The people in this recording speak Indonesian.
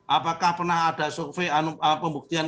apakah pernah ada survei pembuktian